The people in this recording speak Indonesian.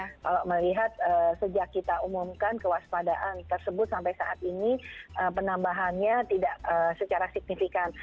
kalau melihat sejak kita umumkan kewaspadaan tersebut sampai saat ini penambahannya tidak secara signifikan